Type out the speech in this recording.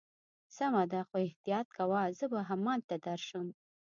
سمه ده، خو احتیاط کوه، زه به همالته درشم.